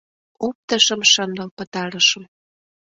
Оптышым шындыл пытарышым.